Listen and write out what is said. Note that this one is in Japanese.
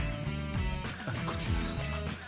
まずこちら。